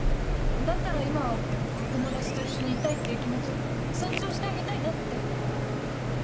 だったら今は友達と一緒にいたいっていう気持ちを尊重してあげたいなって。